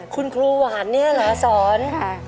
คุณครูหวานเนี่ยเหรอสอน